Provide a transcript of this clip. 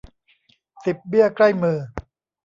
สิบเบี้ยใกล้มือ